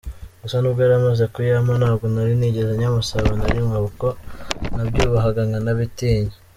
gusa nubwo yari amaze kuyampa ntabwo nari narigeze nyamusaba na rimwe kuko nabyubahaga nkanabitinya.